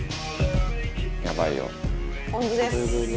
ポン酢です。